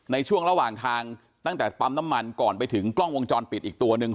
ในช่วงระหว่างทางตั้งแต่ปั๊มน้ำมันก่อนไปถึงกล้องวงจรปิดอีกตัวหนึ่ง